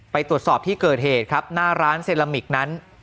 ไปตรวจสอบที่เกิดเหตุครับหน้าร้านเซรามิกนั้น